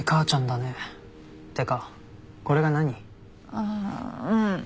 ああうん。